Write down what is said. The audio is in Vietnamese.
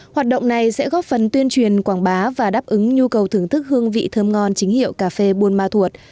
hoạt động này sẽ góp phần tuyên truyền quảng bá và đáp ứng nhu cầu thưởng thức hương vị thơm ngon chính hiệu cà phê buôn ma thuột